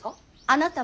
あなた